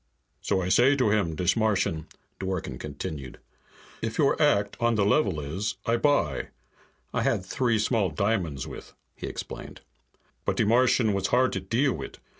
"So I say to him, dis Martian," Dworken continued, "'If your act on the level is, I buy.' I had three small diamonds with," he explained. "But de Martian was hard to deal wit'.